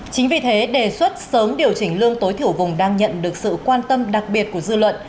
chính vì thế đề xuất sớm điều chỉnh lương tối thiểu vùng đang nhận được sự quan tâm đặc biệt của dư luận